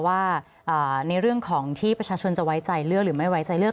ว่าในเรื่องของที่ประชาชนจะไว้ใจเลือกหรือไม่ไว้ใจเลือก